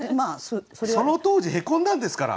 その当時へこんだんですから。